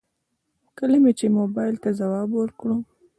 کله مې چې موبايل ته ځواب وکړ.